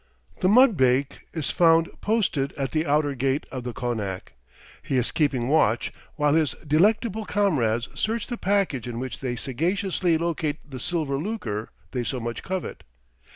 The mudbake is found posted at the outer gate of the konak. He is keeping watch while his delectable comrades search the package in which they sagaciously locate the silver lucre they so much covet.